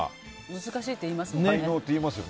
難しいっていいますよね。